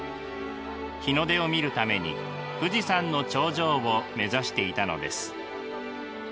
日の出を見るために富士山の頂上を目指していたのです。